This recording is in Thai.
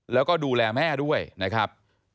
แล้วก็ดูแลแม่ด้วยนะครับ